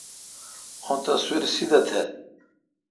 او تصویر سیدہ تھ۔